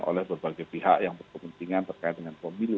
oleh berbagai pihak yang berkepentingan terkait dengan pemilu